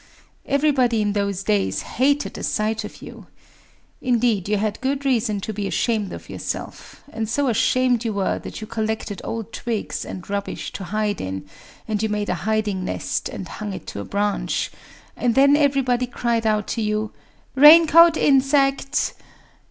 Everybody in those days hated the sight of you. Indeed you had good reason to be ashamed of yourself; and so ashamed you were that you collected old twigs and rubbish to hide in, and you made a hiding nest, and hung it to a branch,—and then everybody cried out to you, 'Raincoat Insect!